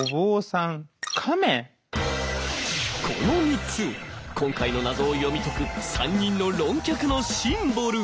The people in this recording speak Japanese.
この３つ今回の謎を読み解く３人の論客のシンボル。